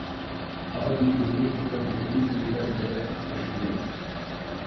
Aber die Überprüfbarkeit der Kreditwürdigkeit wäre erschwert.